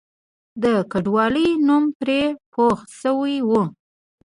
د کنډوالې نوم پرې پوخ شوی وو.